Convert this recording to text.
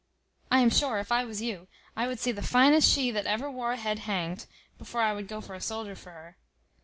I am sure, if I was you, I would see the finest she that ever wore a head hanged, before I would go for a soldier for her.